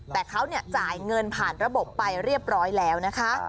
แต่เขาจ่ายเงินผ่านระบบไปเรียบร้อยแล้วนะคะ